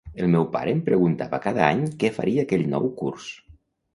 El meu pare em preguntava cada any què faria aquell nou curs.